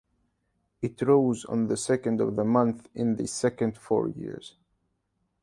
It rose on the second of the month in the second four years.